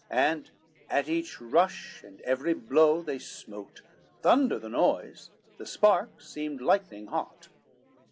And at each rush and every blow they smote Thunder the noise, the sparks, seemed lightning hot.